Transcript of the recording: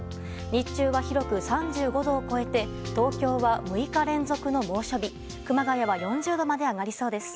日中は広く３５度を超えて東京は６日連続の猛暑日熊谷は４０度まで上がりそうです。